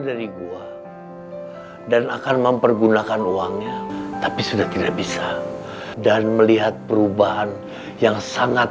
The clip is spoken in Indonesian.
dari gua dan akan mempergunakan uangnya tapi sudah tidak bisa dan melihat perubahan yang sangat